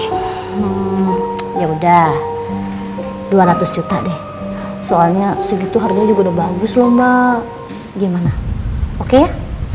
hmm ya udah dua ratus juta deh soalnya segitu harganya juga udah bagus lomba gimana oke